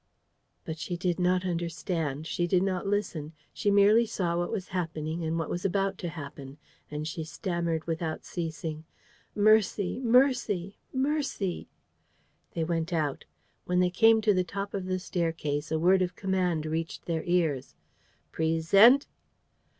..." But she did not understand. She did not listen. She merely saw what was happening and what was about to happen; and she stammered without ceasing: "Mercy! ... Mercy! ... Mercy! ..." They went out. When they came to the top of the staircase, a word of command reached their ears: "Present!